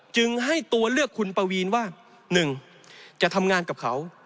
จึงให้ตัวเลือกคุณปวีนว่า๑จะทำงานกับเขา